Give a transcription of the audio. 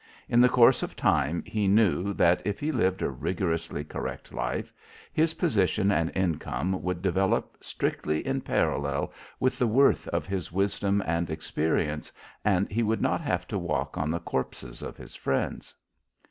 In the course of time he knew that, if he lived a rigorously correct life, his position and income would develop strictly in parallel with the worth of his wisdom and experience, and he would not have to walk on the corpses of his friends.